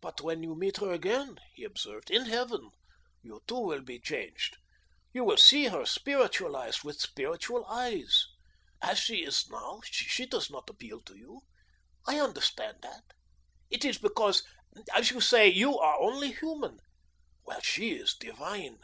"But when you meet her again," he observed, "in Heaven, you, too, will be changed. You will see her spiritualised, with spiritual eyes. As she is now, she does not appeal to you. I understand that. It is because, as you say, you are only human, while she is divine.